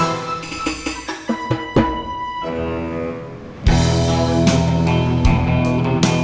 bukan pertanyaan yang biasanya salah